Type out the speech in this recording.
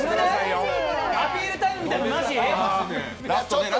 アピールタイムみたいのなし？